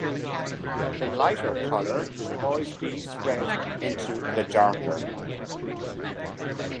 The 'lighter' color should always be spread into the darker.